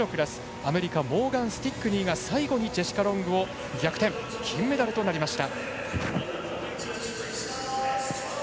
アメリカモーガン・スティックニーが最後にジェシカ・ロングを逆転、金メダルとなりました。